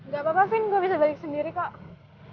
gapapa fin gua bisa balik sendiri kok